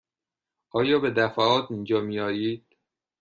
آیا به دفعات اینجا می آیید؟